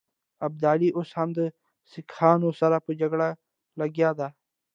ابدالي اوس هم د سیکهانو سره په جګړو لګیا دی.